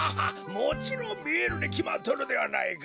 もちろんみえるにきまっとるではないか。